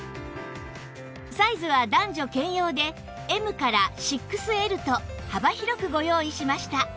サイズは男女兼用で Ｍ から ６Ｌ と幅広くご用意しました